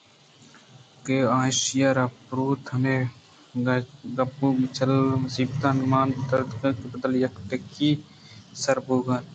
کہ آایشیءَرا پروت ہمے گپچلءُ مُصیبتاں مان شردینگءِ بدلءَ یک ٹیکی ئِے سرپد بُوہگءَات